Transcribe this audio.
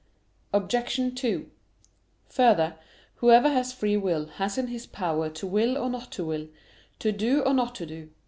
Obj. 2: Further, whoever has free will has in his power to will or not to will, to do or not to do.